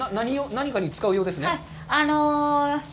何かに使う用ですね？